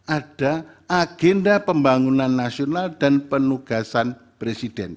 ada agenda pembangunan nasional dan penugasan presiden